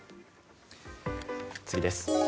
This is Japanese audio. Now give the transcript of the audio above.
次です。